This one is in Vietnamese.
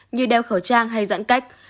như đeo khẩu trang hay giãn cách